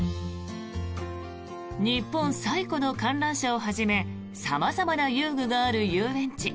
日本最古の観覧車をはじめ様々な遊具がある遊園地